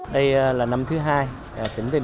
đây là năm thứ hai